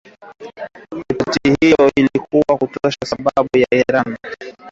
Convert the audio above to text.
Ripoti hiyo haikutoa sababu ya Iran kusitisha mazungumzo kwa muda